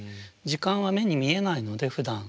時間は目に見えないのでふだん。